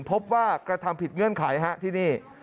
พบว่ากระทำผิดเงื่อนไขฮะที่นี่